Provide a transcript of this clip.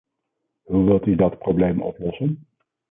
Hoe wilt u dat probleem oplossen?